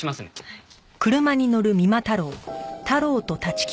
はい。